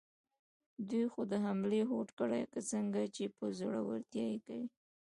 دوی خو د حملې هوډ کړی، که څنګه، چې په زړورتیا یې کوي؟